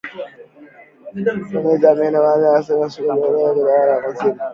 Matumizi ya mbinu ambazo si sahihi katika kuchochea utokaji wa maziwa